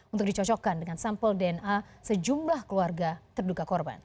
untuk dicocokkan dengan sampel dna sejumlah keluarga terduga korban